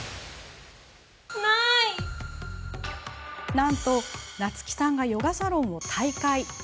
なんと、夏樹さんがヨガサロンを退会。